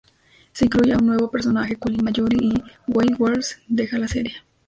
Se incluye a un nuevo personaje Colin Mallory, y Wade Wells deja la serie.